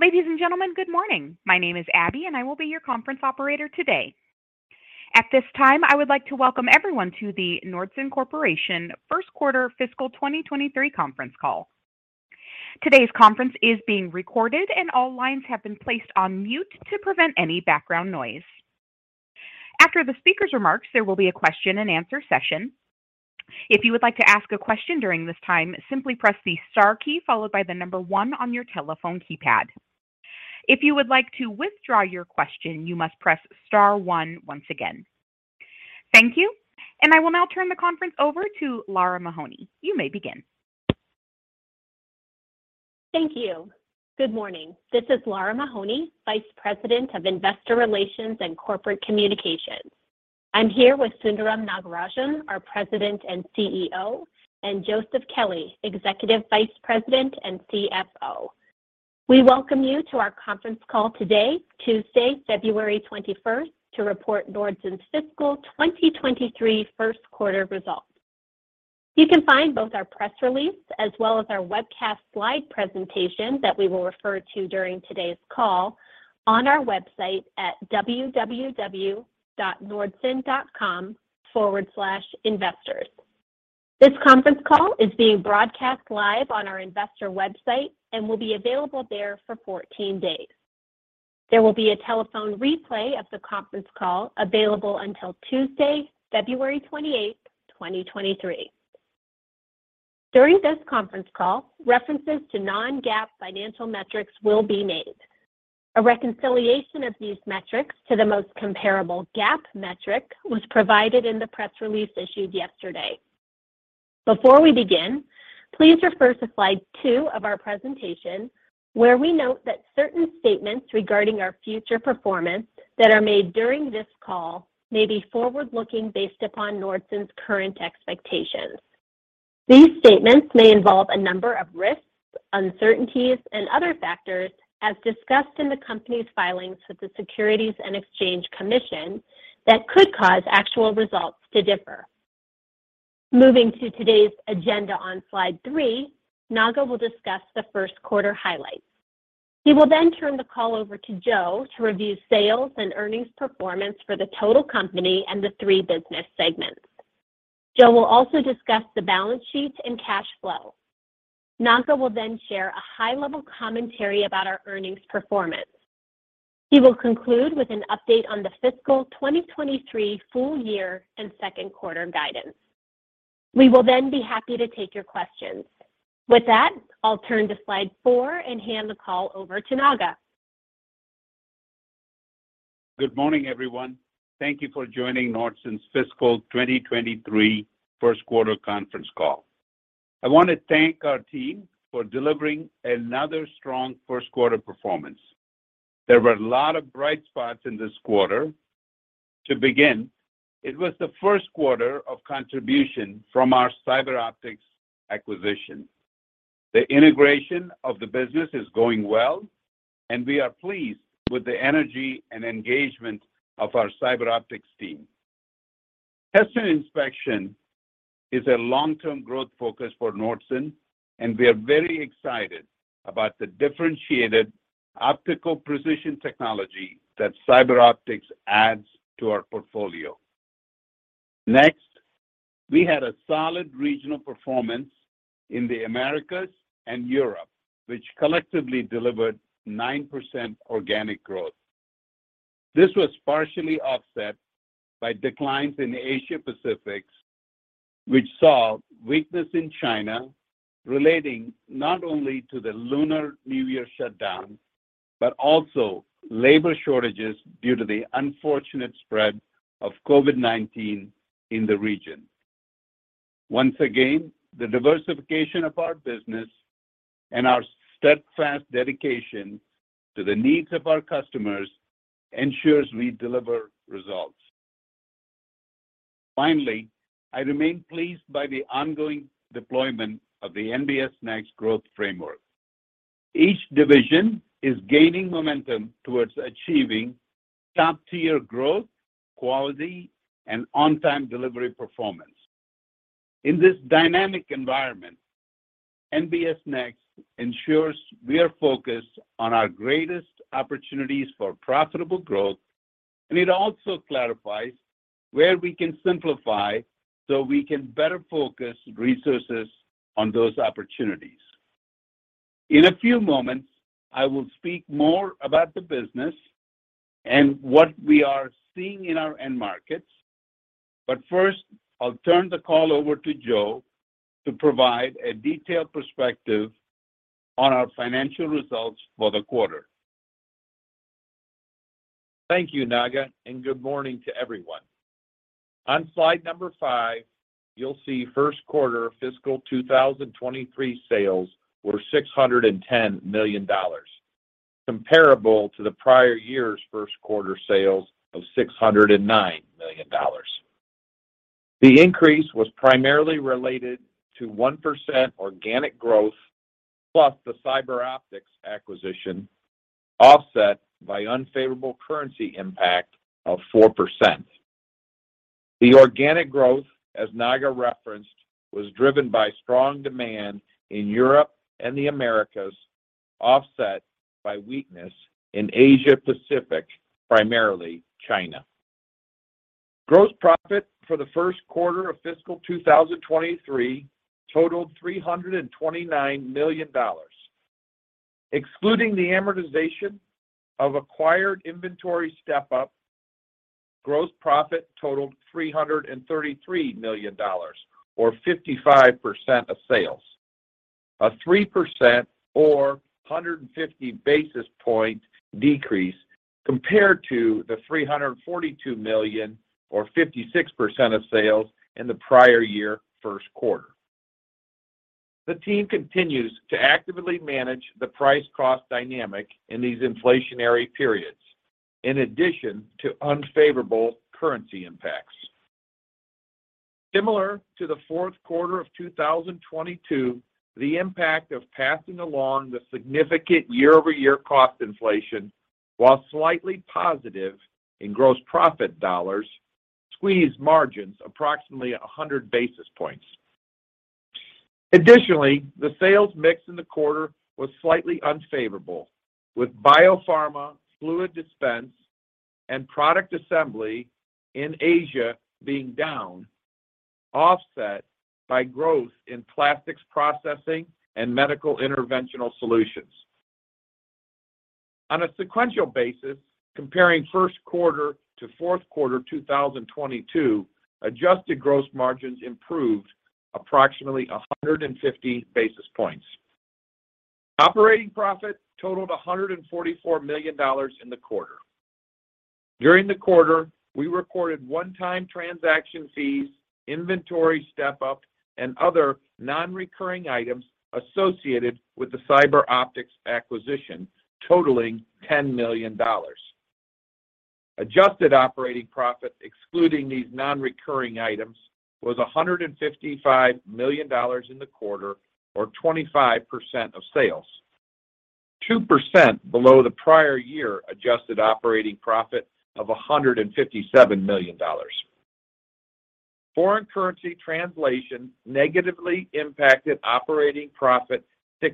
Ladies and gentlemen, good morning. My name is Abby. I will be your conference operator today. At this time, I would like to welcome everyone to the Nordson Corporation First Quarter Fiscal 2023 conference call. Today's conference is being recorded. All lines have been placed on mute to prevent any background noise. After the speaker's remarks, there will be a question and answer session. If you would like to ask a question during this time, simply press the star key followed by the number one on your telephone keypad. If you would like to withdraw your question, you must press star one once again. Thank you. I will now turn the conference over to Lara Mahoney. You may begin. Thank you. Good morning. This is Lara Mahoney, Vice President of Investor Relations and Corporate Communications. I'm here with Sundaram Nagarajan, our President and CEO, and Joseph Kelley, Executive Vice President and CFO. We welcome you to our conference call today, Tuesday, February 21st, to report Nordson's fiscal 2023 first quarter results. You can find both our press release as well as our webcast slide presentation that we will refer to during today's call on our website at www.nordson.com/investors. This conference call is being broadcast live on our investor website and will be available there for 14 days. There will be a telephone replay of the conference call available until Tuesday, February 28th, 2023. During this conference call, references to non-GAAP financial metrics will be made. A reconciliation of these metrics to the most comparable GAAP metric was provided in the press release issued yesterday. Before we begin, please refer to slide two of our presentation, where we note that certain statements regarding our future performance that are made during this call may be forward-looking based upon Nordson's current expectations. These statements may involve a number of risks, uncertainties, and other factors as discussed in the company's filings with the Securities and Exchange Commission that could cause actual results to differ. Moving to today's agenda on slide three, Naga will discuss the first quarter highlights. He will then turn the call over to Joe to review sales and earnings performance for the total company and the three business segments. Joe will also discuss the balance sheets and cash flow. Naga will then share a high-level commentary about our earnings performance. He will conclude with an update on the fiscal 2023 full year and second quarter guidance. We will then be happy to take your questions. With that, I'll turn to slide four and hand the call over to Naga. Good morning, everyone. Thank you for joining Nordson's fiscal 2023 first quarter conference call. I want to thank our team for delivering another strong first quarter performance. There were a lot of bright spots in this quarter. To begin, it was the first quarter of contribution from our CyberOptics acquisition. The integration of the business is going well, and we are pleased with the energy and engagement of our CyberOptics team. Test and Inspection is a long-term growth focus for Nordson, and we are very excited about the differentiated optical precision technology that CyberOptics adds to our portfolio. Next, we had a solid regional performance in the Americas and Europe, which collectively delivered 9% organic growth. This was partially offset by declines in Asia-Pacific, which saw weakness in China relating not only to the Lunar New Year shutdown, but also labor shortages due to the unfortunate spread of COVID-19 in the region. Once again, the diversification of our business and our steadfast dedication to the needs of our customers ensures we deliver results. Finally, I remain pleased by the ongoing deployment of the NBS Next growth framework. Each division is gaining momentum towards achieving top-tier growth, quality, and on-time delivery performance. In this dynamic environment, NBS Next ensures we are focused on our greatest opportunities for profitable growth, and it also clarifies where we can simplify so we can better focus resources on those opportunities. In a few moments, I will speak more about the business and what we are seeing in our end markets. First, I'll turn the call over to Joe to provide a detailed perspective on our financial results for the quarter. Thank you, Naga. Good morning to everyone. On slide number five, you'll see first quarter fiscal 2023 sales were $610 million, comparable to the prior year's first quarter sales of $609 million. The increase was primarily related to 1% organic growth plus the CyberOptics acquisition, offset by unfavorable currency impact of 4%. The organic growth, as Naga referenced, was driven by strong demand in Europe and the Americas, offset by weakness in Asia-Pacific, primarily China. Gross profit for the first quarter of fiscal 2023 totaled $329 million. Excluding the amortization of acquired inventory step-up, gross profit totaled $333 million or 55% of sales. A 3% or 150 basis point decrease compared to the $342 million or 56% of sales in the prior year first quarter. The team continues to actively manage the price cross dynamic in these inflationary periods in addition to unfavorable currency impacts. Similar to the fourth quarter of 2022, the impact of passing along the significant year-over-year cost inflation, while slightly positive in gross profit dollars, squeezed margins approximately 100 basis points. The sales mix in the quarter was slightly unfavorable, with biopharma, fluid dispense, and Product Assembly in Asia being down, offset by growth in plastics processing and medical Interventional Solutions. On a sequential basis, comparing first quarter to fourth quarter 2022, adjusted gross margins improved approximately 150 basis points. Operating profit totaled $144 million in the quarter. During the quarter, we recorded one-time transaction fees, inventory step-up, and other non-recurring items associated with the CyberOptics acquisition, totaling $10 million. Adjusted operating profit, excluding these non-recurring items, was $155 million in the quarter or 25% of sales. 2% below the prior year adjusted operating profit of $157 million. Foreign currency translation negatively impacted operating profit 6%,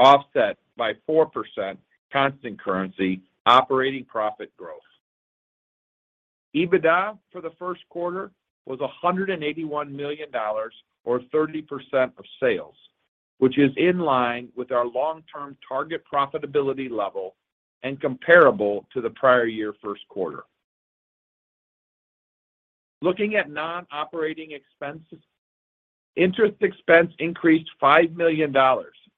offset by 4% constant currency operating profit growth. EBITDA for the first quarter was $181 million or 30% of sales, which is in line with our long-term target profitability level and comparable to the prior year first quarter. Looking at non-operating expenses, interest expense increased $5 million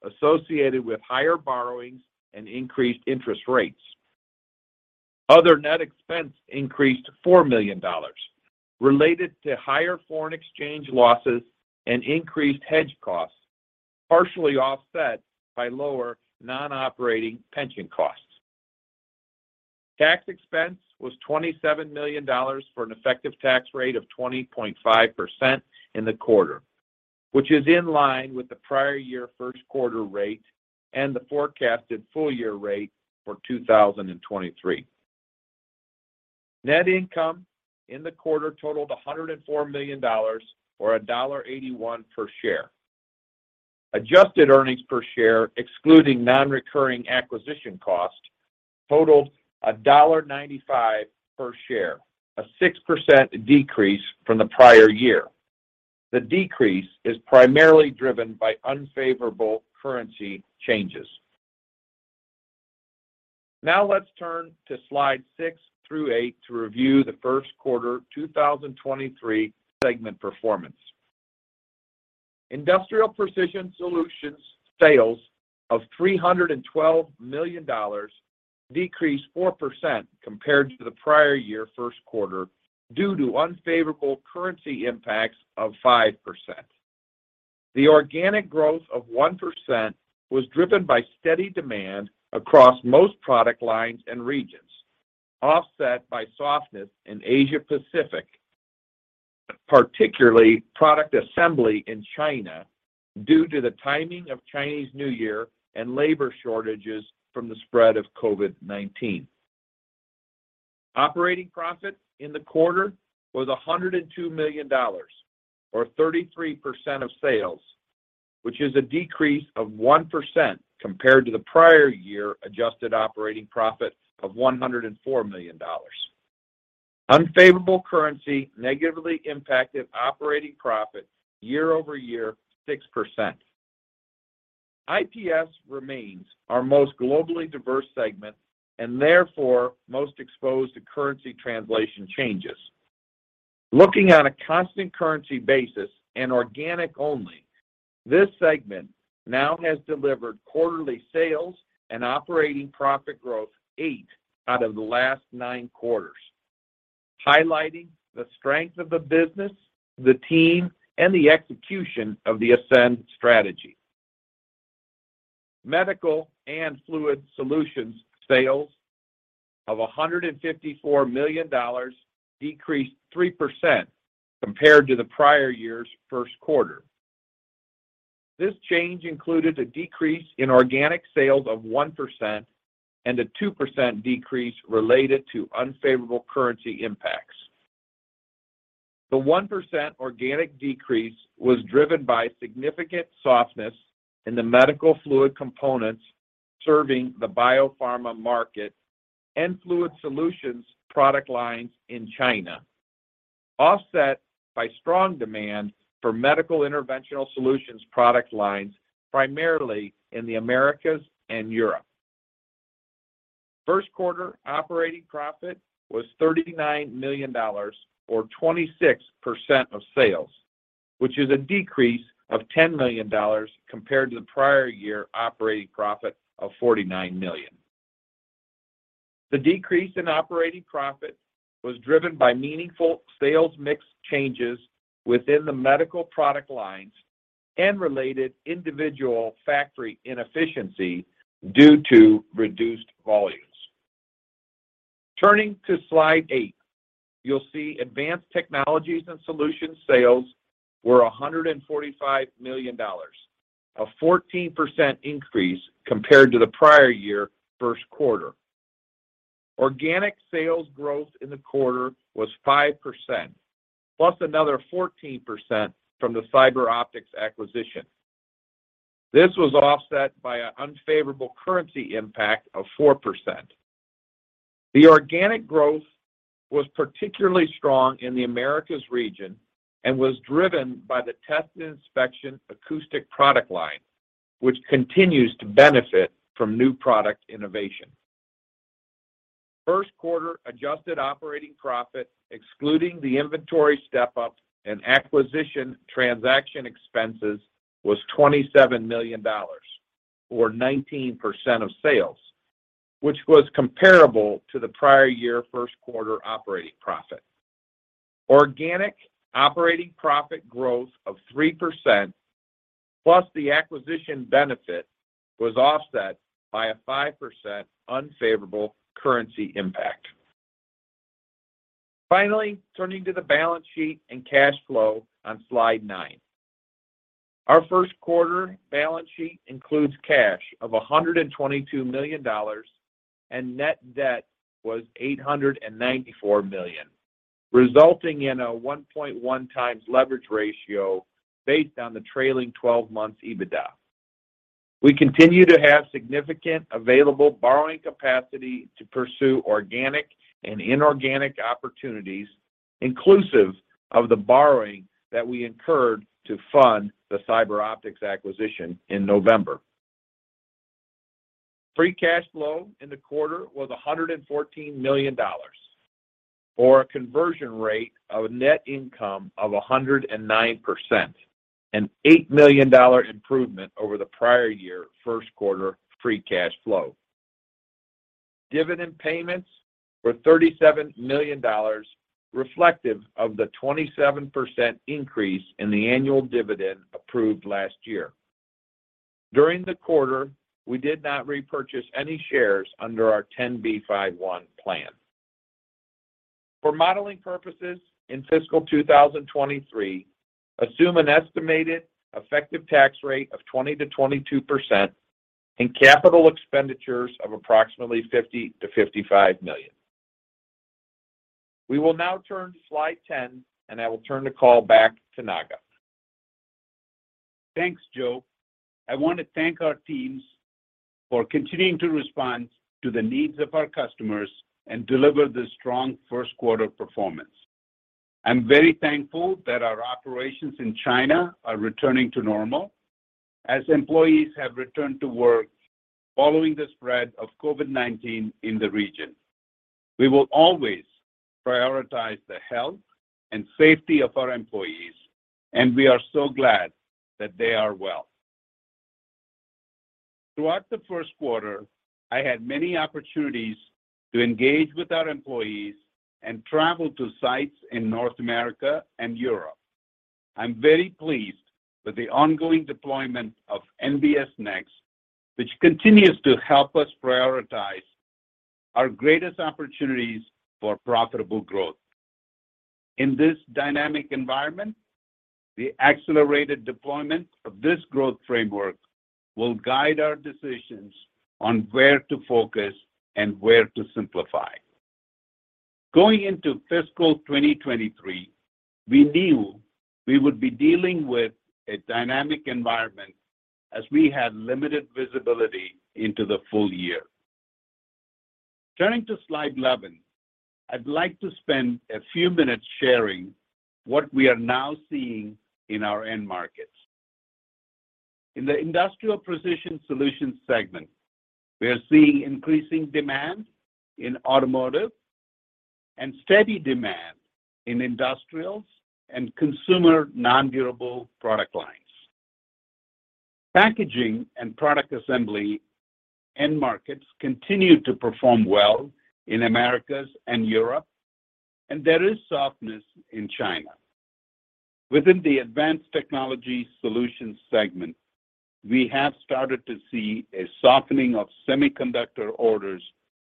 associated with higher borrowings and increased interest rates. Other net expense increased $4 million related to higher foreign exchange losses and increased hedge costs, partially offset by lower non-operating pension costs. Tax expense was $27 million for an effective tax rate of 20.5% in the quarter, which is in line with the prior year first quarter rate and the forecasted full-year rate for 2023. Net income in the quarter totaled $104 million or $1.81 per share. Adjusted earnings per share, excluding non-recurring acquisition cost, totaled $1.95 per share, a 6% decrease from the prior year. The decrease is primarily driven by unfavorable currency changes. Now let's turn to slide six through eight to review the first quarter 2023 segment performance. Industrial Precision Solutions sales of $312 million decreased 4% compared to the prior year first quarter due to unfavorable currency impacts of 5%. The organic growth of 1% was driven by steady demand across most product lines and regions, offset by softness in Asia-Pacific, particularly product assembly in China, due to the timing of Chinese New Year and labor shortages from the spread of COVID-19. Operating profit in the quarter was $102 million or 33% of sales, which is a decrease of 1% compared to the prior year adjusted operating profit of $104 million. Unfavorable currency negatively impacted operating profit year-over-year 6%. IPS remains our most globally diverse segment and therefore most exposed to currency translation changes. Looking on a constant currency basis and organic only, this segment now has delivered quarterly sales and operating profit growth eight out of the last nine quarters, highlighting the strength of the business, the team, and the execution of the Ascend strategy. Medical and Fluid Solutions sales of $154 million decreased 3% compared to the prior year's first quarter. This change included a decrease in organic sales of 1% and a 2% decrease related to unfavorable currency impacts. The 1% organic decrease was driven by significant softness in the medical fluid components serving the biopharma market and fluid solutions product lines in China, offset by strong demand for medical Interventional Solutions product lines, primarily in the Americas and Europe. First quarter operating profit was $39 million or 26% of sales, which is a decrease of $10 million compared to the prior-year operating profit of $49 million. The decrease in operating profit was driven by meaningful sales mix changes within the medical product lines and related individual factory inefficiency due to reduced volumes. Turning to slide eight, you'll see Advanced Technology Solutions sales were $145 million, a 14% increase compared to the prior-year first quarter. Organic sales growth in the quarter was 5%, plus another 14% from the CyberOptics acquisition. This was offset by an unfavorable currency impact of 4%. The organic growth was particularly strong in the Americas region and was driven by the test and inspection acoustic product line, which continues to benefit from new product innovation. First quarter adjusted operating profit, excluding the inventory step-up and acquisition transaction expenses, was $27 million or 19% of sales, which was comparable to the prior-year first quarter operating profit. Organic operating profit growth of 3% plus the acquisition benefit was offset by a 5% unfavorable currency impact. Turning to the balance sheet and cash flow on slide nine. Our first quarter balance sheet includes cash of $122 million, and net debt was $894 million, resulting in a 1.1x leverage ratio based on the trailing 12 months EBITDA. We continue to have significant available borrowing capacity to pursue organic and inorganic opportunities, inclusive of the borrowing that we incurred to fund the CyberOptics acquisition in November. Free cash flow in the quarter was $114 million or a conversion rate of net income of 109%, an $8 million improvement over the prior year first quarter free cash flow. Dividend payments were $37 million reflective of the 27% increase in the annual dividend approved last year. During the quarter, we did not repurchase any shares under our 10b5-1 plan. For modeling purposes in fiscal 2023, assume an estimated effective tax rate of 20%-22% and capital expenditures of approximately $50 million-$55 million. We will now turn to slide 10, and I will turn the call back to Naga. Thanks, Joe. I want to thank our teams for continuing to respond to the needs of our customers and deliver the strong first quarter performance. I'm very thankful that our operations in China are returning to normal as employees have returned to work following the spread of COVID-19 in the region. We will always prioritize the health and safety of our employees, and we are so glad that they are well. Throughout the first quarter, I had many opportunities to engage with our employees and travel to sites in North America and Europe. I'm very pleased with the ongoing deployment of NBS Next, which continues to help us prioritize our greatest opportunities for profitable growth. In this dynamic environment, the accelerated deployment of this growth framework will guide our decisions on where to focus and where to simplify. Going into fiscal 2023, we knew we would be dealing with a dynamic environment as we had limited visibility into the full year. Turning to slide 11, I'd like to spend a few minutes sharing what we are now seeing in our end markets. In the Industrial Precision Solutions segment, we are seeing increasing demand in automotive and steady demand in industrials and consumer non-durable product lines. Packaging and Product Assembly end markets continue to perform well in Americas and Europe, and there is softness in China. Within the Advanced Technology Solutions segment, we have started to see a softening of semiconductor orders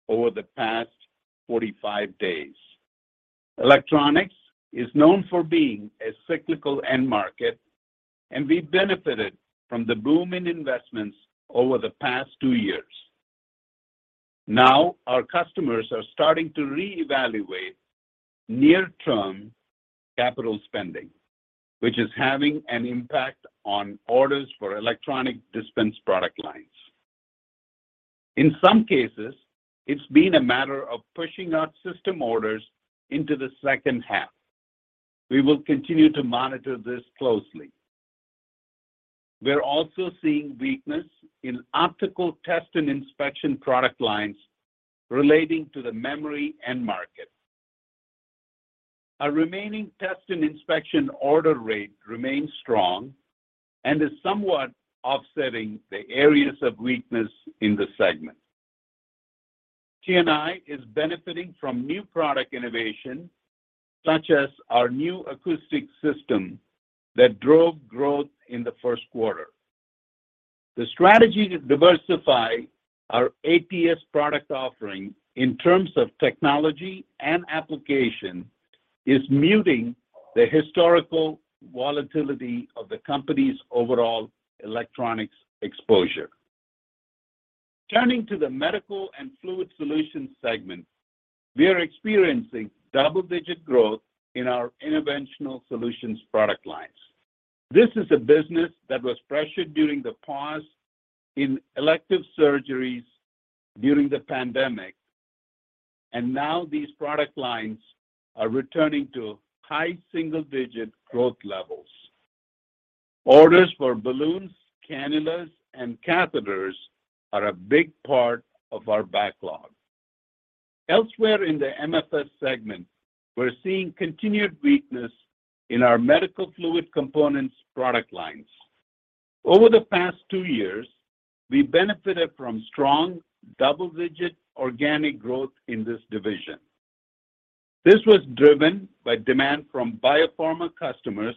over the past 45 days. Electronics is known for being a cyclical end market, and we benefited from the boom in investments over the past two years. Now, our customers are starting to reevaluate near-term capital spending, which is having an impact on orders for electronic dispense product lines. In some cases, it's been a matter of pushing out system orders into the second half. We will continue to monitor this closely. We're also seeing weakness in optical test and inspection product lines relating to the memory end market. Our remaining test and inspection order rate remains strong and is somewhat offsetting the areas of weakness in the segment. T&I is benefiting from new product innovation, such as our new acoustic system that drove growth in the first quarter. The strategy to diversify our ATS product offering in terms of technology and application is muting the historical volatility of the company's overall electronics exposure. Turning to the Medical and Fluid Solutions segment, we are experiencing double-digit growth in our Interventional Solutions product lines. This is a business that was pressured during the pause in elective surgeries during the pandemic. Now these product lines are returning to high-single-digit growth levels. Orders for balloons, cannulas, and catheters are a big part of our backlog. Elsewhere in the MFS segment, we're seeing continued weakness in our medical fluid components product lines. Over the past two years, we benefited from strong double-digit organic growth in this division. This was driven by demand from biopharma customers,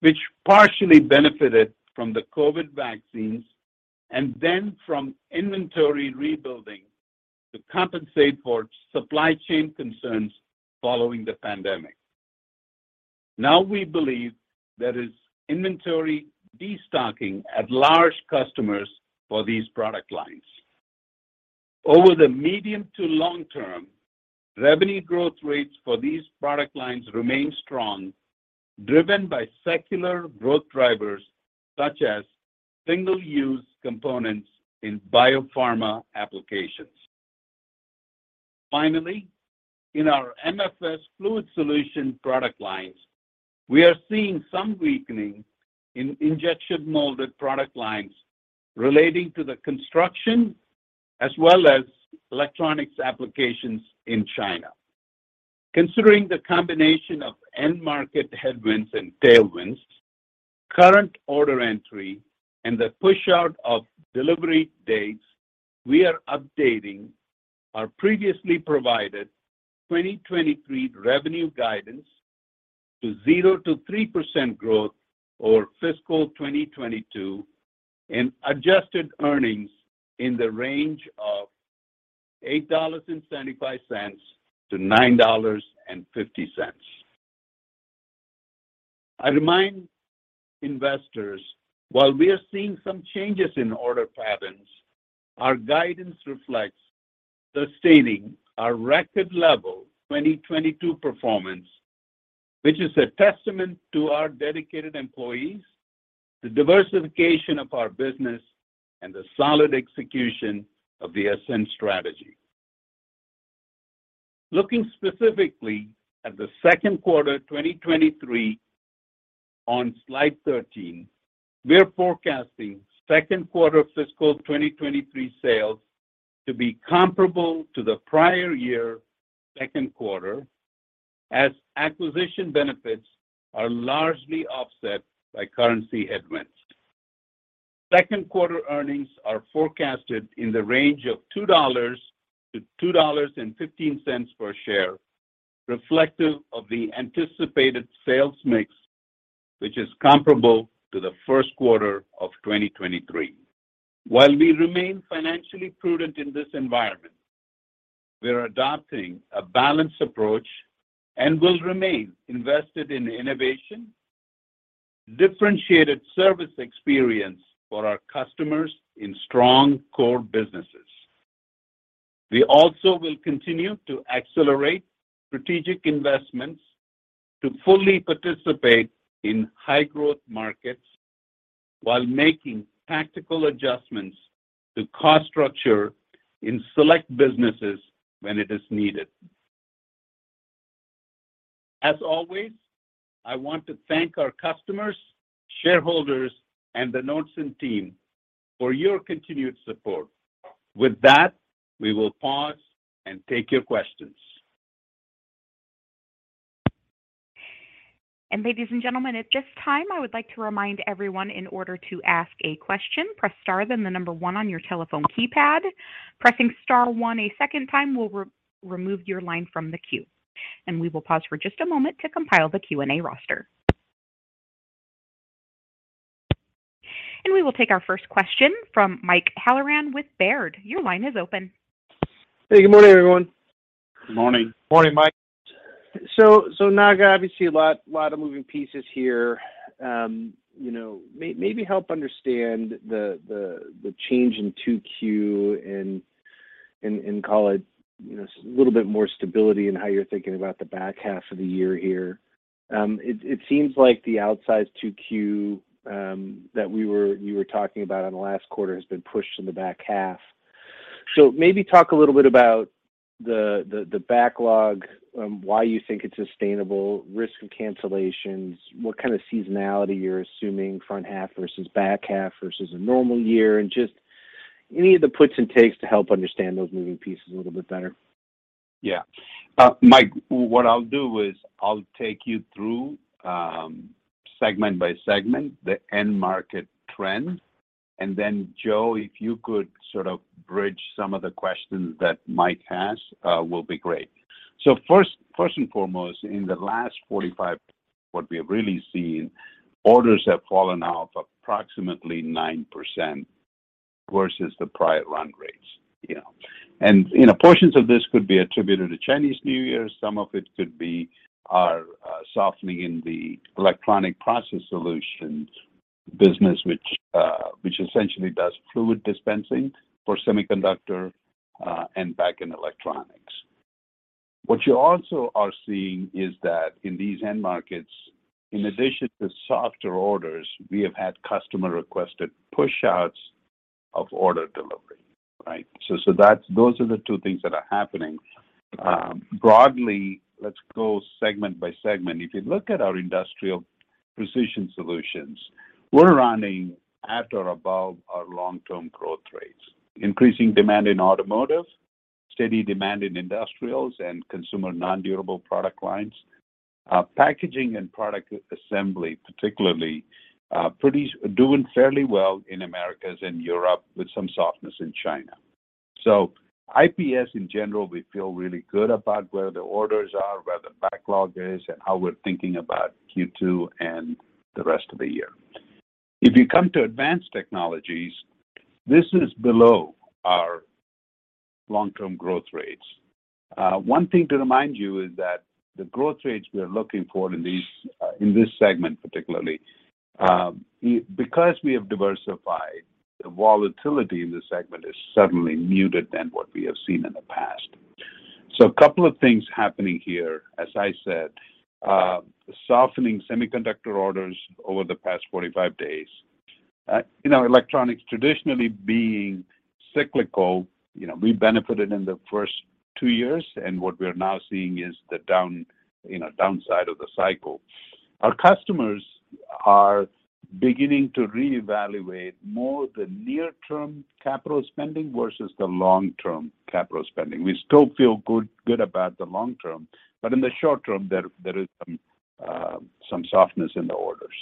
which partially benefited from the COVID vaccines. Then from inventory rebuilding to compensate for supply chain concerns following the pandemic. Now we believe there is inventory destocking at large customers for these product lines. Over the medium to long term, revenue growth rates for these product lines remain strong, driven by secular growth drivers such as single-use components in biopharma applications. Finally, in our MFS fluid solution product lines, we are seeing some weakening in injection molded product lines relating to the construction as well as electronics applications in China. Considering the combination of end market headwinds and tailwinds, current order entry, and the push out of delivery dates, we are updating our previously provided 2023 revenue guidance to 0%-3% growth over fiscal 2022 and adjusted earnings in the range of $8.75-$9.50. I remind investors while we are seeing some changes in order patterns, our guidance reflects sustaining our record level 2022 performance, which is a testament to our dedicated employees, the diversification of our business, and the solid execution of the Ascend strategy. Looking specifically at the second quarter 2023 on slide 13, we're forecasting second quarter fiscal 2023 sales to be comparable to the prior year second quarter as acquisition benefits are largely offset by currency headwinds. Second quarter earnings are forecasted in the range of $2.00-$2.15 per share, reflective of the anticipated sales mix, which is comparable to the first quarter of 2023. While we remain financially prudent in this environment, we're adopting a balanced approach and will remain invested in innovation, differentiated service experience for our customers in strong core businesses. We also will continue to accelerate strategic investments to fully participate in high-growth markets while making tactical adjustments to cost structure in select businesses when it is needed. As always, I want to thank our customers, shareholders, and the Nordson team for your continued support. With that, we will pause and take your questions. Ladies and gentlemen, at this time, I would like to remind everyone in order to ask a question, press star, then the number one on your telephone keypad. Pressing star one a second time will re-remove your line from the queue, and we will pause for just a moment to compile the Q&A roster. We will take our first question from Mike Halloran with Baird. Your line is open. Hey, good morning, everyone. Good morning. Morning, Mike. Naga, obviously a lot of moving pieces here. You know, maybe help understand the change in 2Q and call it, you know, a little bit more stability in how you're thinking about the back half of the year here. It seems like the outsized 2Q that you were talking about on the last quarter has been pushed to the back half. Maybe talk a little bit about the backlog, why you think it's sustainable, risk of cancellations, what kind of seasonality you're assuming front half versus back half versus a normal year, and just any of the puts and takes to help understand those moving pieces a little bit better. Yeah. Mike, what I'll do is I'll take you through segment by segment, the end market trends. Joe, if you could sort of bridge some of the questions that Mike has, will be great. First and foremost, in the last 45, what we have really seen, orders have fallen off approximately 9% versus the prior run rates, you know. You know, portions of this could be attributed to Chinese New Year, some of it could be our softening in the Electronic Process Solutions business which essentially does fluid dispensing for semiconductor and back-end electronics. What you also are seeing is that in these end markets, in addition to softer orders, we have had customer requested push outs of order delivery, right? Those are the two things that are happening. Broadly, let's go segment by segment. If you look at our Industrial Precision Solutions, we're running at or above our long-term growth rates. Increasing demand in automotive, steady demand in industrials, and consumer non-durable product lines. Packaging and Product Assembly, particularly, doing fairly well in Americas and Europe with some softness in China. IPS in general, we feel really good about where the orders are, where the backlog is, and how we're thinking about Q2 and the rest of the year. If you come to Advanced Technologies, this is below our long-term growth rates. One thing to remind you is that the growth rates we are looking for in these, in this segment, particularly, because we have diversified, the volatility in this segment is certainly muted than what we have seen in the past. A couple of things happening here, as I said, softening semiconductor orders over the past 45 days. You know, electronics traditionally being cyclical, you know, we benefited in the first two years, and what we're now seeing is the downside of the cycle. Our customers are beginning to reevaluate more the near-term capital spending versus the long-term capital spending. We still feel good about the long term, but in the short term, there is some softness in the orders.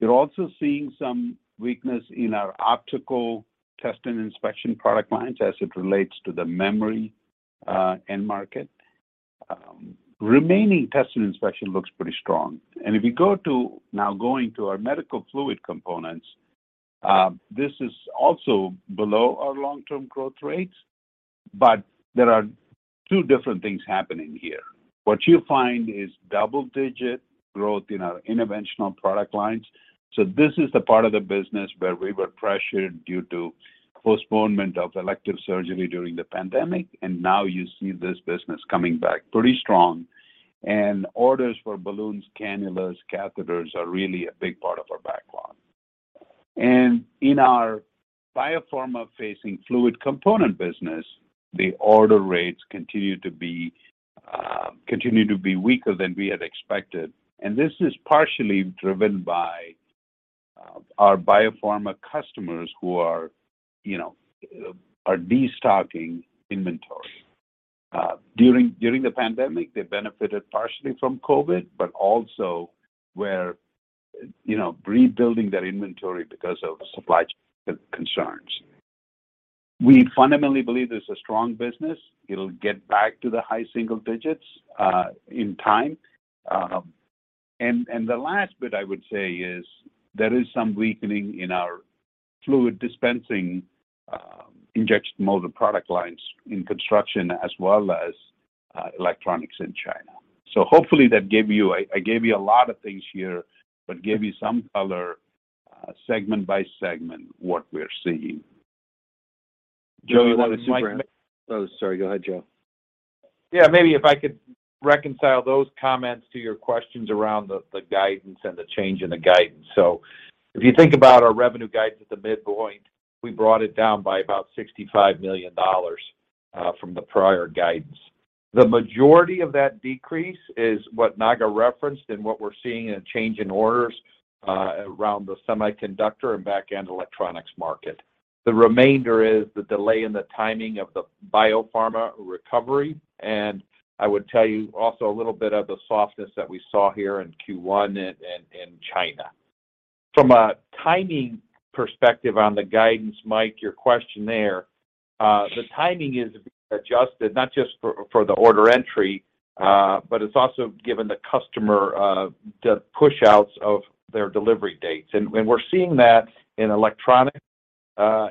We're also seeing some weakness in our optical test and inspection product lines as it relates to the memory end market. Remaining test and inspection looks pretty strong. Now going to our medical fluid components, this is also below our long-term growth rates, but there are two different things happening here. What you find is double-digit growth in our interventional product lines. This is the part of the business where we were pressured due to postponement of elective surgery during the pandemic, and now you see this business coming back pretty strong. Orders for balloons, cannulas, catheters are really a big part of our backlog. In our biopharma-facing fluid component business, the order rates continue to be weaker than we had expected, and this is partially driven by our biopharma customers who are, you know, are destocking inventory. During the pandemic, they benefited partially from COVID, but also were, you know, rebuilding their inventory because of supply chain concerns. We fundamentally believe this is a strong business. It'll get back to the high-single digits in time. The last bit I would say is there is some weakening in our Fluid Dispensing, injection molded product lines in construction as well as, electronics in China. Hopefully I gave you a lot of things here, but gave you some color, segment by segment, what we're seeing. Joe, you want to... Joe, this is Mike. Oh, sorry, go ahead, Joe. Maybe if I could reconcile those comments to your questions around the guidance and the change in the guidance. If you think about our revenue guidance at the midpoint, we brought it down by about $65 million from the prior guidance. The majority of that decrease is what Naga referenced and what we're seeing in change in orders around the semiconductor and back-end electronics market. The remainder is the delay in the timing of the biopharma recovery, and I would tell you also a little bit of the softness that we saw here in Q1 in China. From a timing perspective on the guidance, Mike, your question there. The timing is adjusted not just for the order entry, but it's also given the customer the push outs of their delivery dates. We're seeing that in electronic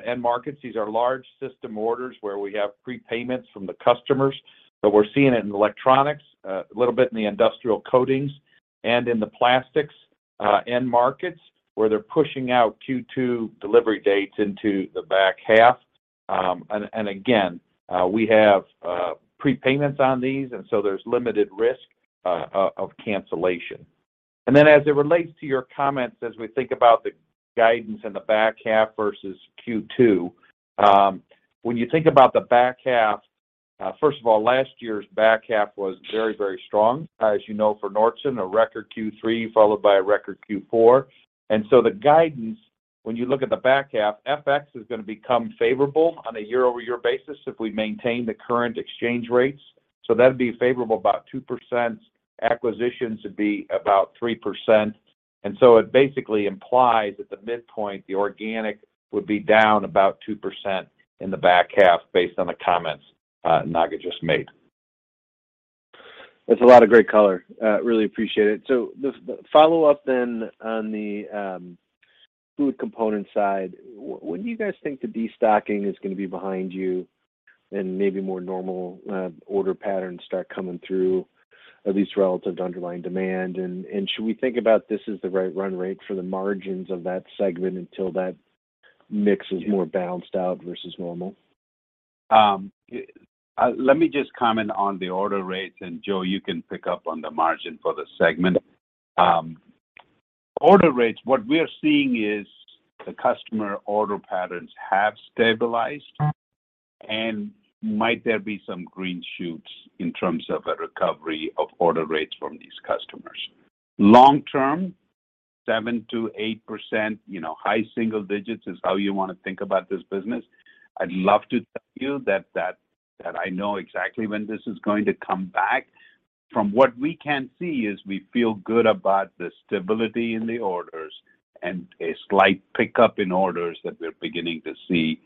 end markets. These are large system orders where we have prepayments from the customers. We're seeing it in electronics, a little bit in the industrial coatings and in the plastics end markets where they're pushing out Q2 delivery dates into the back half. Again, we have prepayments on these, and so there's limited risk of cancellation. Then as it relates to your comments as we think about the guidance in the back half versus Q2, when you think about the back half, first of all, last year's back half was very, very strong. As you know for Nordson, a record Q3 followed by a record Q4. The guidance, when you look at the back half, FX is gonna become favorable on a year-over-year basis if we maintain the current exchange rates. That'd be favorable about 2%. Acquisitions would be about 3%. It basically implies that the midpoint, the organic, would be down about 2% in the back half based on the comments Naga just made. That's a lot of great color. Really appreciate it. The follow-up then on the fluid component side. When do you guys think the destocking is gonna be behind you and maybe more normal order patterns start coming through at least relative to underlying demand? Should we think about this as the right run rate for the margins of that segment until that mix is more balanced out versus normal? Let me just comment on the order rates, and Joe, you can pick up on the margin for the segment. Order rates, what we are seeing is the customer order patterns have stabilized. Might there be some green shoots in terms of a recovery of order rates from these customers? Long term, 7% to 8%, you know, high-single digits is how you wanna think about this business. I'd love to tell you that I know exactly when this is going to come back. From what we can see is we feel good about the stability in the orders and a slight pickup in orders that we're beginning to see.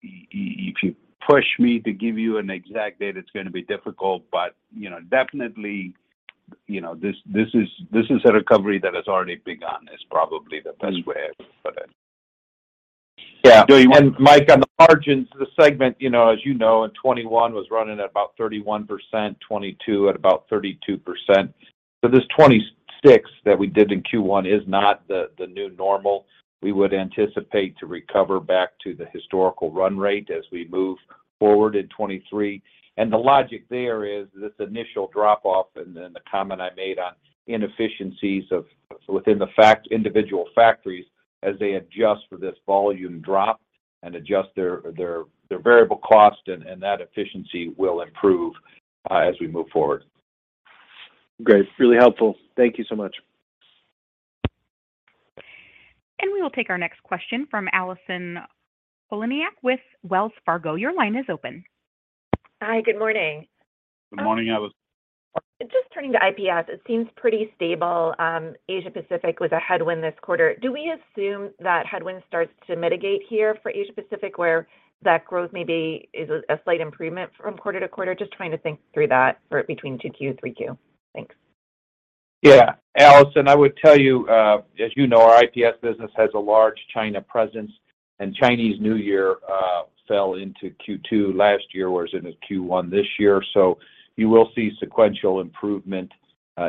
If you push me to give you an exact date, it's gonna be difficult, but, you know, definitely, you know, this is a recovery that has already begun, is probably the best way I can put it. Yeah. Joe, you want-? Mike, on the margins, the segment, you know, as you know in 2021 was running at about 31%, 2022 at about 32%. This 26 that we did in Q1 is not the new normal. We would anticipate to recover back to the historical run rate as we move forward in 2023. The logic there is this initial drop off and then the comment I made on inefficiencies within individual factories as they adjust for this volume drop and adjust their variable cost and that efficiency will improve as we move forward. Great. Really helpful. Thank you so much. We will take our next question from Allison Poliniak with Wells Fargo. Your line is open. Hi, good morning. Good morning, Allison. Just turning to IPS, it seems pretty stable. Asia-Pacific was a headwind this quarter. Do we assume that headwind starts to mitigate here for Asia-Pacific, where that growth maybe is a slight improvement from quarter-to-quarter? Just trying to think through that for between 2Q, 3Q. Thanks. Yeah. Allison, I would tell you, as you know, our IPS business has a large China presence, Chinese New Year fell into Q2 last year, whereas in Q1 this year. You will see sequential improvement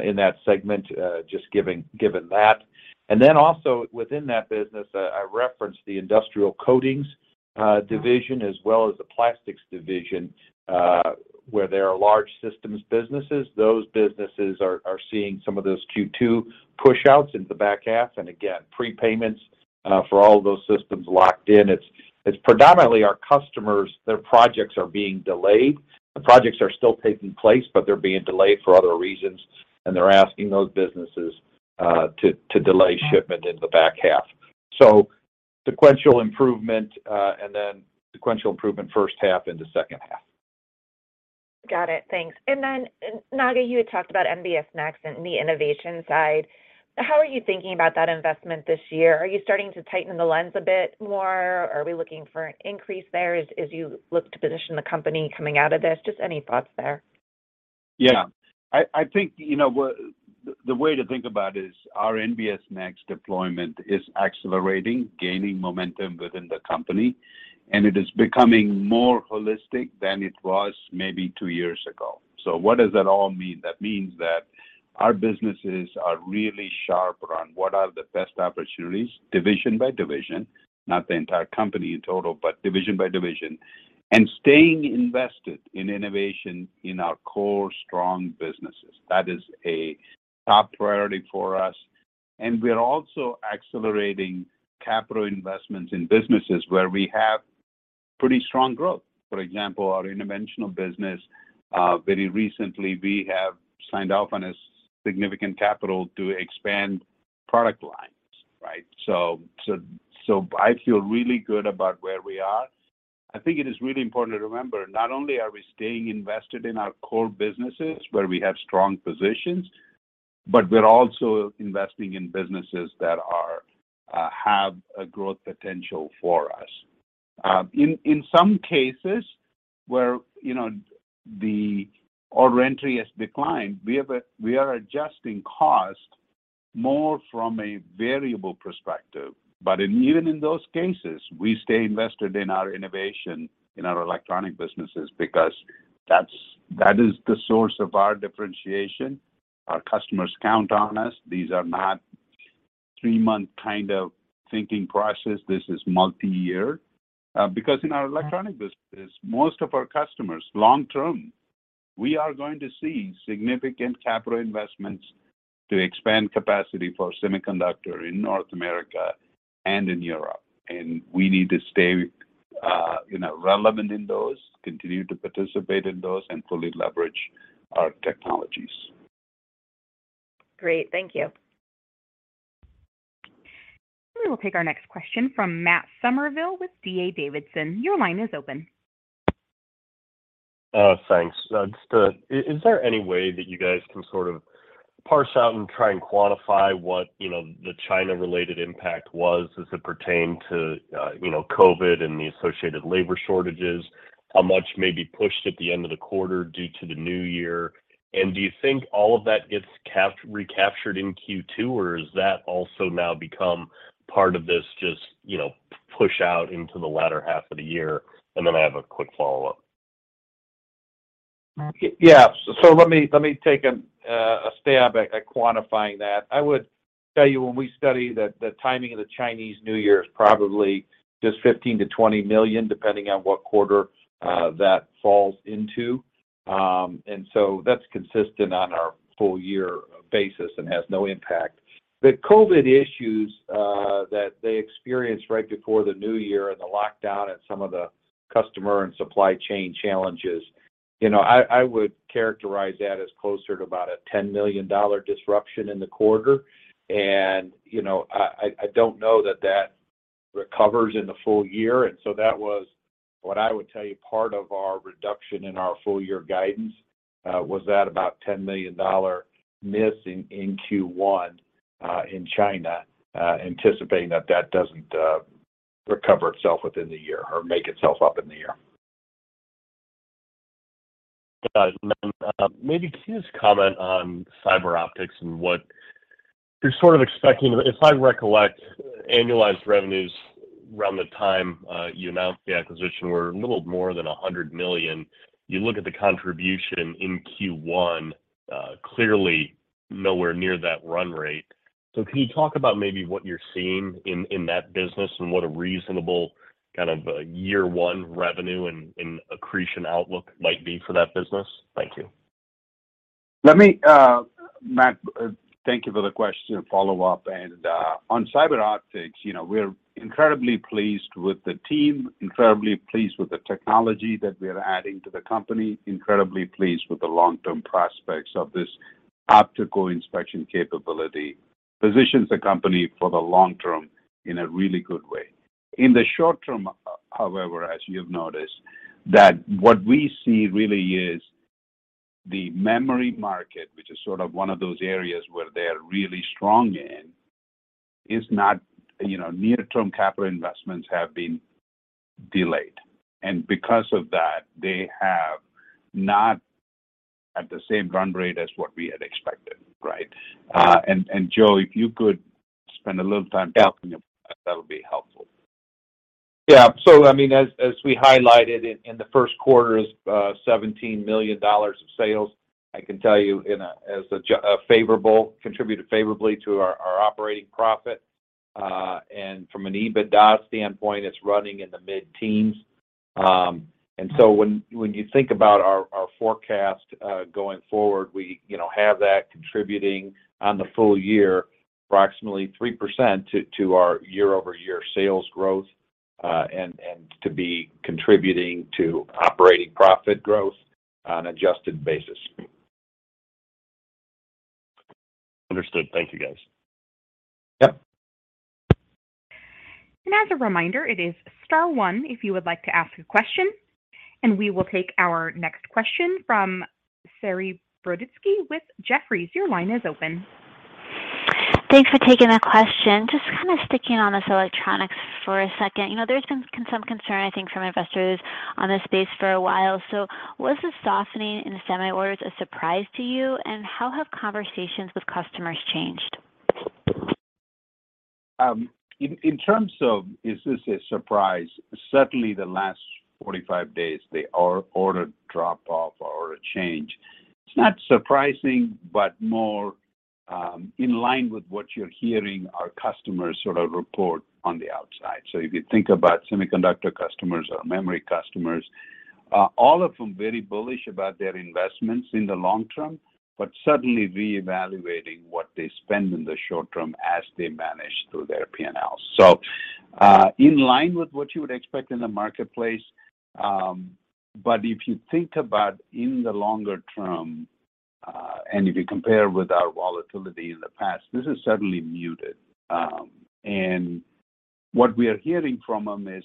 in that segment, given that. Also within that business, I referenced the industrial coatings division as well as the plastics division, where there are large systems businesses. Those businesses are seeing some of those Q2 push outs into the back half. Again, prepayments for all those systems locked in. It's predominantly our customers, their projects are being delayed. The projects are still taking place, they're being delayed for other reasons, they're asking those businesses to delay shipment in the back half. Sequential improvement, and then sequential improvement first half into second half. Got it. Thanks. Naga, you had talked about NBS Next and the innovation side. How are you thinking about that investment this year? Are you starting to tighten the lens a bit more? Are we looking for an increase there as you look to position the company coming out of this? Just any thoughts there. I think, you know, the way to think about is our NBS Next deployment is accelerating, gaining momentum within the company, and it is becoming more holistic than it was maybe two years ago. What does that all mean? That means that our businesses are really sharp around what are the best opportunities, division by division, not the entire company in total, but division by division, and staying invested in innovation in our core strong businesses. That is a top priority for us. We're also accelerating capital investments in businesses where we have pretty strong growth. For example, our Interventional business, very recently, we have signed off on a significant capital to expand product lines, right? So I feel really good about where we are. I think it is really important to remember, not only are we staying invested in our core businesses where we have strong positions. We're also investing in businesses that have a growth potential for us. In some cases where, you know, the order entry has declined, we are adjusting cost more from a variable perspective. Even in those cases, we stay invested in our innovation in our electronic businesses because that is the source of our differentiation. Our customers count on us. These are not three-month kind of thinking process. This is multi-year. Because in our electronic business, most of our customers long term, we are going to see significant capital investments to expand capacity for semiconductor in North America and in Europe. We need to stay, you know, relevant in those, continue to participate in those, and fully leverage our technologies. Great. Thank you. We will take our next question from Matt Summerville with D.A. Davidson. Your line is open. Thanks. Just, is there any way that you guys can sort of parse out and try and quantify what, you know, the China-related impact was as it pertained to, you know, COVID and the associated labor shortages, how much may be pushed at the end of the quarter due to the new year? Do you think all of that gets recaptured in Q2, or has that also now become part of this just, you know, push out into the latter half of the year? Then I have a quick follow-up. Yeah. Let me take a stab at quantifying that. I would tell you when we study the timing of the Chinese New Year is probably just $15 million-$20 million, depending on what quarter that falls into. That's consistent on our full year basis and has no impact. The COVID issues that they experienced right before the new year and the lockdown and some of the customer and supply chain challenges, you know, I would characterize that as closer to about a $10 million disruption in the quarter. You know, I don't know that that recovers in the full year. That was what I would tell you part of our reduction in our full year guidance, was that about $10 million missing in Q1 in China, anticipating that that doesn't recover itself within the year or make itself up in the year. Got it. Maybe can you just comment on CyberOptics and what you're sort of expecting? If I recollect, annualized revenues around the time you announced the acquisition were a little more than $100 million. You look at the contribution in Q1, clearly nowhere near that run rate. Can you talk about maybe what you're seeing in that business and what a reasonable kind of year one revenue and accretion outlook might be for that business? Thank you. Let me, Matt, thank you for the question and follow-up. On CyberOptics, you know, we're incredibly pleased with the team, incredibly pleased with the technology that we are adding to the company, incredibly pleased with the long-term prospects of this optical inspection capability. Positions the company for the long term in a really good way. In the short term, however, as you've noticed, that what we see really is the memory market, which is sort of one of those areas where they're really strong in, is not, you know, near-term capital investments have been delayed. Because of that, they have not at the same run rate as what we had expected. Right? And Joe, if you could spend a little time talking about that would be helpful. Yeah. I mean, as we highlighted in the first quarter is $17 million of sales. I can tell you contributed favorably to our operating profit. From an EBITDA standpoint, it's running in the mid-teens. When you think about our forecast going forward, we, you know, have that contributing on the full year approximately 3% to our year-over-year sales growth and to be contributing to operating profit growth on adjusted basis. Understood. Thank you, guys. Yep. As a reminder, it is star one if you would like to ask a question. We will take our next question from Saree Boroditsky with Jefferies. Your line is open. Thanks for taking the question. Just kind of sticking on this electronics for a second. You know, there's been some concern, I think, from investors on this space for a while. Was the softening in the semi orders a surprise to you, and how have conversations with customers changed? In terms of is this a surprise, certainly the last 45 days, the order drop off or a change, it's not surprising, but more in line with what you're hearing our customers sort of report on the outside. If you think about semiconductor customers or memory customers, all of them very bullish about their investments in the long term, but certainly reevaluating what they spend in the short term as they manage through their P&L. In line with what you would expect in the marketplace, but if you think about in the longer term, and if you compare with our volatility in the past, this is certainly muted. What we are hearing from them is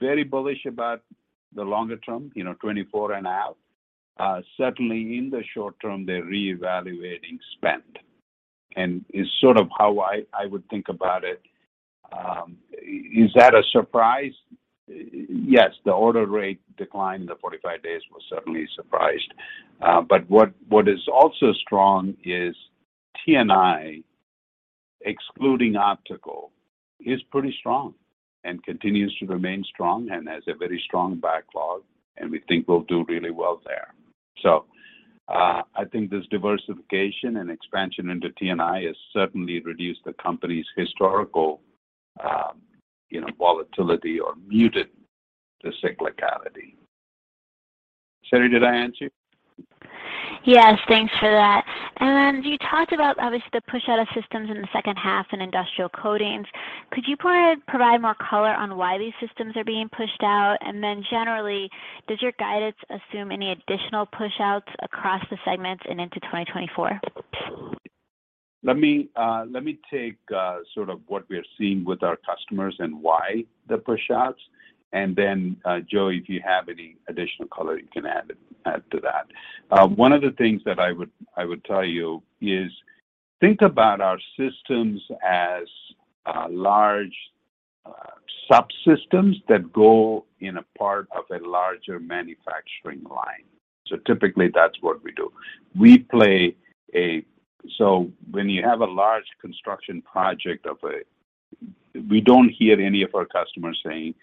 very bullish about the longer term, you know, 2024 and out. Certainly in the short term, they're reevaluating spend. Is sort of how I would think about it. Is that a surprise? Yes, the order rate decline in the 45 days was certainly surprised. What is also strong is T&I, excluding optical, is pretty strong and continues to remain strong and has a very strong backlog, and we think we'll do really well there. I think this diversification and expansion into T&I has certainly reduced the company's historical, you know, volatility or muted the cyclicality. Saree, did I answer? Yes. Thanks for that. You talked about obviously the push out of systems in the second half in Industrial Coating Systems. Could you provide more color on why these systems are being pushed out? Generally, does your guidance assume any additional push outs across the segments and into 2024? Let me take sort of what we are seeing with our customers and why the push outs. Then Joe, if you have any additional color, you can add to that. One of the things that I would tell you is think about our systems as large subsystems that go in a part of a larger manufacturing line. Typically, that's what we do. When you have a large construction project, we don't hear any of our customers saying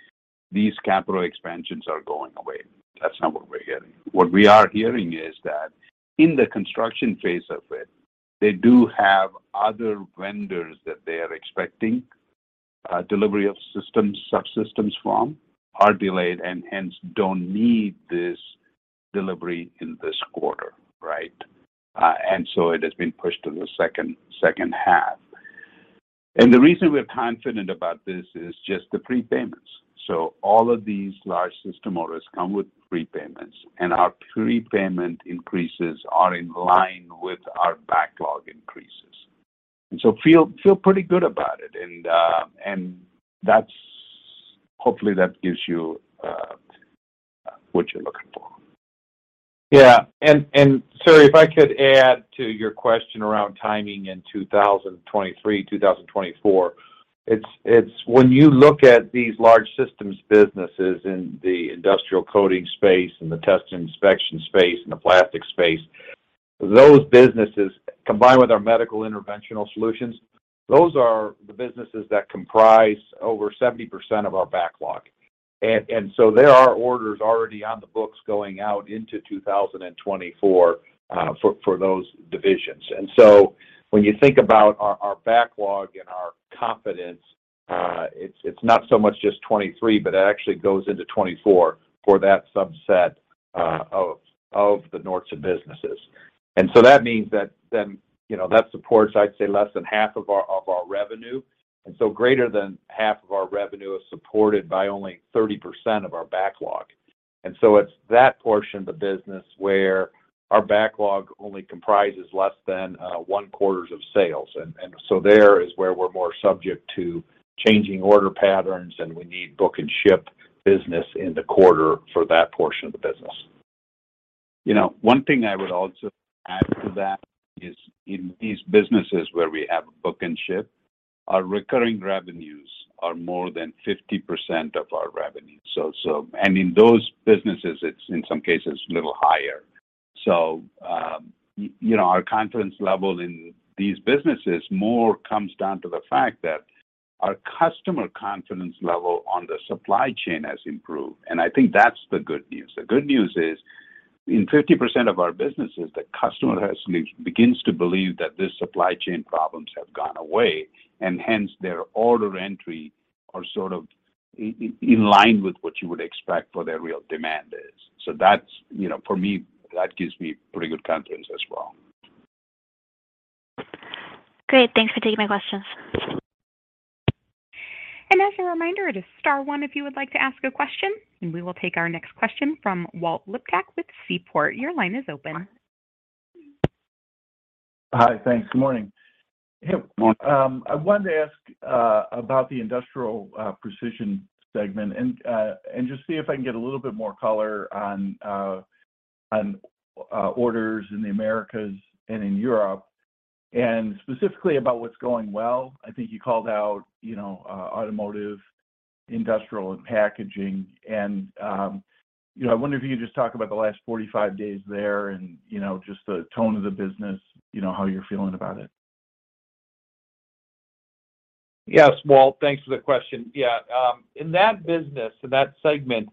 these capital expansions are going away. That's not what we're getting. What we are hearing is that in the construction phase of it, they do have other vendors that they are expecting delivery of systems, subsystems from are delayed and hence don't need this delivery in this quarter, right? It has been pushed to the second half. The reason we're confident about this is just the prepayments. All of these large system orders come with prepayments, and our prepayment increases are in line with our backlog increases. Feel pretty good about it. Hopefully that gives you what you're looking for. Yeah. Saree, if I could add to your question around timing in 2023, 2024. It's when you look at these large systems businesses in the industrial coating space and the test inspection space and the plastic space, those businesses, combined with our Medical Interventional Solutions, those are the businesses that comprise over 70% of our backlog. There are orders already on the books going out into 2024 for those divisions. When you think about our backlog and our confidence, it's not so much just 23, but it actually goes into 24 for that subset of the Nordson businesses. That means that then, you know, that supports, I'd say, less than half of our revenue. Greater than half of our revenue is supported by only 30% of our backlog. It's that portion of the business where our backlog only comprises less than, one-quarter of sales. There is where we're more subject to changing order patterns, and we need book and ship business in the quarter for that portion of the business. You know, one thing I would also add to that is in these businesses where we have book and ship, our recurring revenues are more than 50% of our revenue. In those businesses, it's in some cases a little higher. You know, our confidence level in these businesses more comes down to the fact that our customer confidence level on the supply chain has improved. I think that's the good news. The good news is in 50% of our businesses, the customer begins to believe that this supply chain problems have gone away, and hence their order entry are sort of in line with what you would expect for their real demand is. That's, you know, for me, that gives me pretty good confidence as well. Great. Thanks for taking my questions. As a reminder, it is star one if you would like to ask a question. We will take our next question from Walter Liptak with Seaport. Your line is open. Hi. Thanks. Good morning. Morning. I wanted to ask about the Industrial Precision segment and just see if I can get a little bit more color on orders in the Americas and in Europe, and specifically about what's going well. I think you called out, you know, automotive, industrial, and packaging. You know, I wonder if you could just talk about the last 45 days there and, you know, just the tone of the business, you know, how you're feeling about it. Yes, Walt. Thanks for the question. Yeah, in that business, in that segment,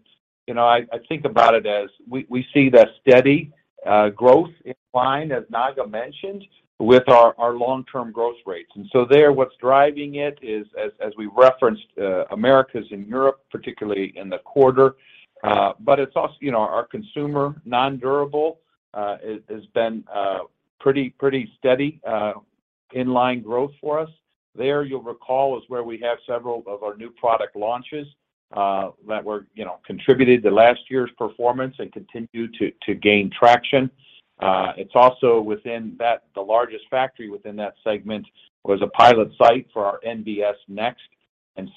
you know, I think about it as we see the steady growth in line, as Naga mentioned, with our long-term growth rates. There, what's driving it is as we referenced, Americas and Europe, particularly in the quarter. It's also, you know, our consumer non-durable has been pretty steady in line growth for us. There, you'll recall, is where we have several of our new product launches, that were, you know, contributed to last year's performance and continue to gain traction. It's also within that, the largest factory within that segment was a pilot site for our NBS Next.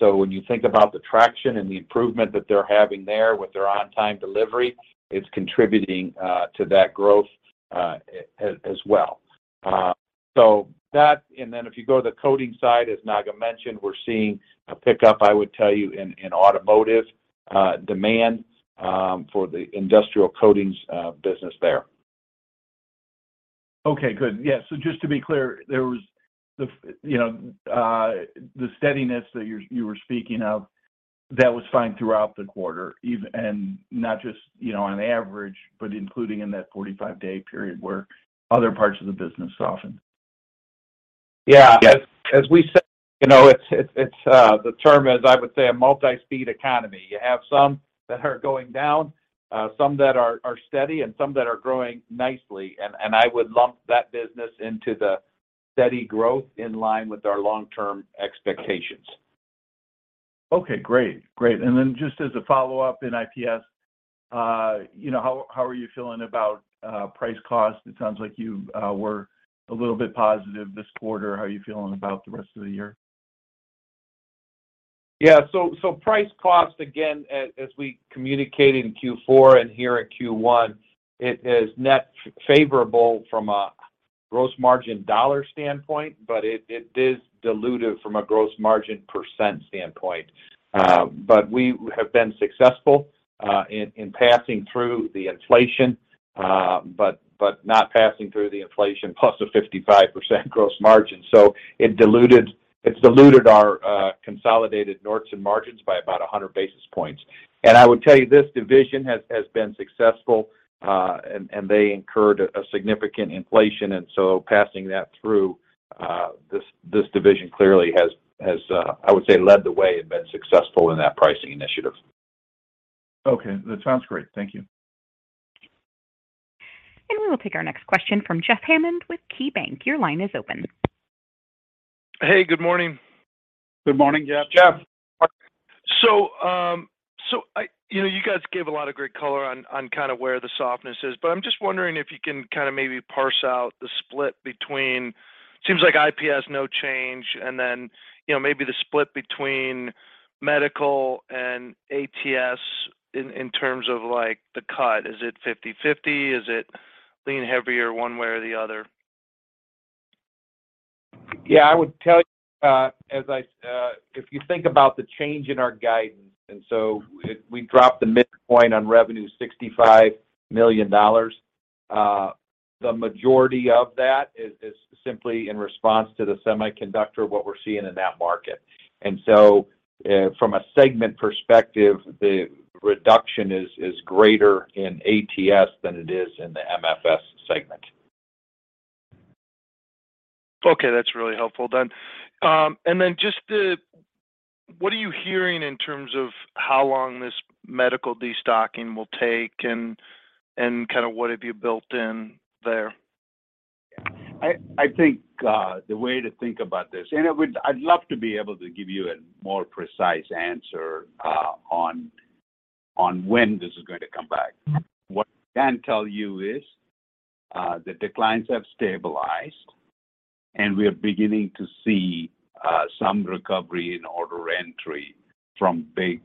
When you think about the traction and the improvement that they're having there with their on-time delivery, it's contributing to that growth as well. So that, if you go to the coating side, as Naga mentioned, we're seeing a pickup, I would tell you, in automotive demand for the industrial coatings business there. Okay, good. Yeah, just to be clear, there was the, you know, the steadiness that you were speaking of, that was fine throughout the quarter, even, and not just, you know, on average, but including in that 45-day period where other parts of the business softened. Yeah. As we said, you know, it's the term is, I would say, a multi-speed economy. You have some that are going down, some that are steady, and some that are growing nicely. I would lump that business into the steady growth in line with our long-term expectations. Okay, great. Great. Just as a follow-up in IPS, you know, how are you feeling about price cost? It sounds like you were a little bit positive this quarter. How are you feeling about the rest of the year? Price cost, again, as we communicated in Q4 and here at Q1, it is net favorable from a gross margin dollar standpoint, but it is dilutive from a gross margin percent standpoint. We have been successful in passing through the inflation, but not passing through the inflation plus a 55% gross margin. It diluted our consolidated Nordson margins by about 100 basis points. I would tell you, this division has been successful, and they incurred a significant inflation. Passing that through, this division clearly has, I would say, led the way and been successful in that pricing initiative. Okay. That sounds great. Thank you. We will take our next question from Jeff Hammond with KeyBanc. Your line is open. Hey, good morning. Good morning, Jeff. Jeff. You know, you guys gave a lot of great color on kind of where the softness is, but I'm just wondering if you can kind of maybe parse out the split between. Seems like IPS, no change, and then, you know, maybe the split between medical and ATS in terms of, like, the cut. Is it 50/50? Is it leaning heavier one way or the other? Yeah. I would tell you, if you think about the change in our guidance, we dropped the midpoint on revenue, $65 million. The majority of that is simply in response to the semiconductor, what we're seeing in that market. From a segment perspective, the reduction is greater in ATS than it is in the MFS segment. Okay, that's really helpful then. Just what are you hearing in terms of how long this medical destocking will take and kind of what have you built in there? I think the way to think about this, I'd love to be able to give you a more precise answer on when this is gonna come back. What I can tell you is the declines have stabilized, and we are beginning to see some recovery in order entry from big,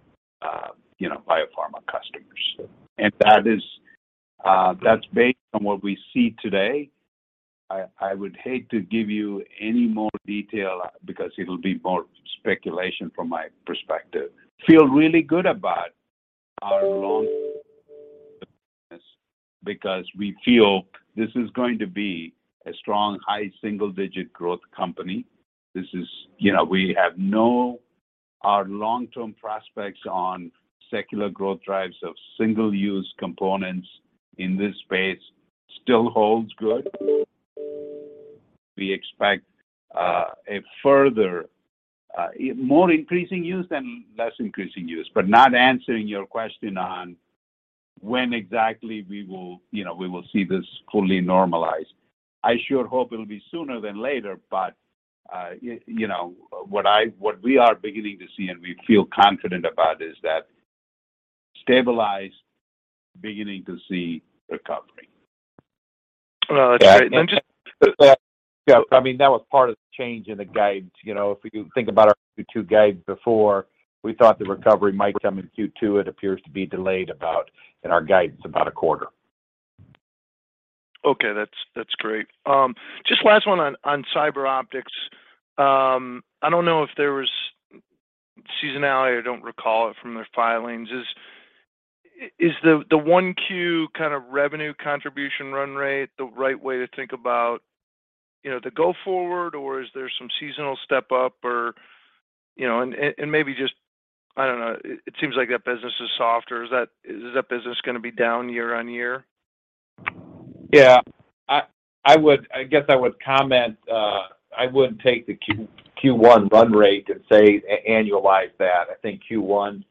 you know, biopharma customers. That is that's based on what we see today. I would hate to give you any more detail because it'll be more speculation from my perspective. Feel really good about our long because we feel this is going to be a strong high-single-digit growth company. You know, our long-term prospects on secular growth drives of single-use components in this space still holds good. We expect, a further, more increasing use than less increasing use, but not answering your question on when exactly we will, you know, we will see this fully normalized. I sure hope it'll be sooner than later, but, you know, what we are beginning to see and we feel confident about is that stabilized, beginning to see recovery. Well, that's great. Then just- Yeah. I mean, that was part of the change in the guide. You know, if we think about our Q2 guide before, we thought the recovery might come in Q2. It appears to be delayed about, in our guidance, about a quarter. Okay, that's great. Just last one on CyberOptics. I don't know if there was seasonality. I don't recall it from their filings. Is the 1Q kind of revenue contribution run rate the right way to think about, you know, the go forward, or is there some seasonal step up? You know, maybe just, I don't know, it seems like that business is soft, or is that business gonna be down year-on-year? Yeah. I would, I guess I would comment, I wouldn't take the Q1 run rate and say annualize that. I think Q1,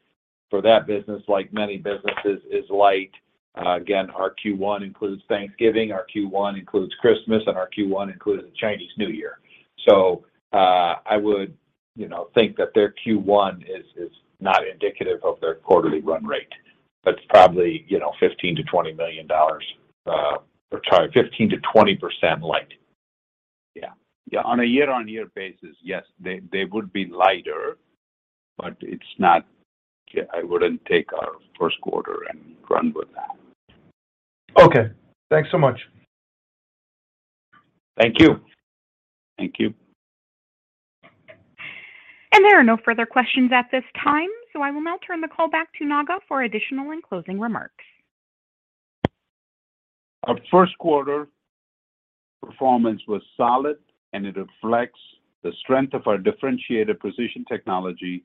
for that business, like many businesses, is light. Again, our Q1 includes Thanksgiving, our Q1 includes Christmas, and our Q1 includes the Chinese New Year. I would, you know, think that their Q1 is not indicative of their quarterly run rate. That's probably, you know, $15 million-$20 million, or sorry, 15%-20% light. Yeah. Yeah. On a year-on-year basis, yes, they would be lighter. I wouldn't take our first quarter and run with that. Okay. Thanks so much. Thank you. Thank you. There are no further questions at this time, so I will now turn the call back to Naga for additional and closing remarks. Our first quarter performance was solid. It reflects the strength of our differentiated position technology,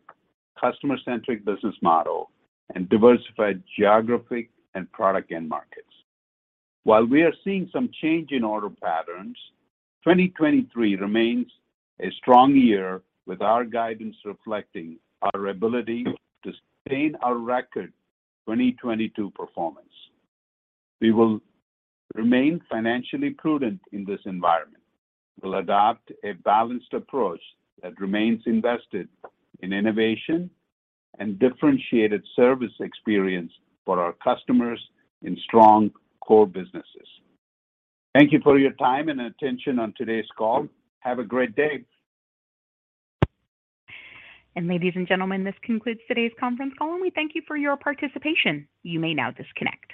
customer-centric business model, and diversified geographic and product end markets. While we are seeing some change in order patterns, 2023 remains a strong year with our guidance reflecting our ability to sustain our record 2022 performance. We will remain financially prudent in this environment. We'll adopt a balanced approach that remains invested in innovation and differentiated service experience for our customers in strong core businesses. Thank you for your time and attention on today's call. Have a great day. Ladies and gentlemen, this concludes today's conference call, and we thank you for your participation. You may now disconnect.